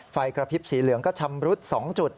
ไฟกระพริบสีเหลืองก็ชำรุด๒จุด